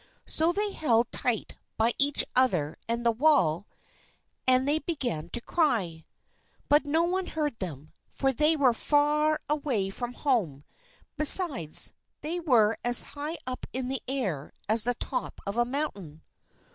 So they held tight by each other and the wall, and began to cry. But no one heard them. For they were far away from home; besides, they were as high up in the air as the top of a mountain.